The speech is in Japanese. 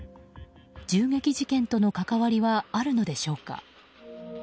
銃撃事件との関わりはあるのでしょうか。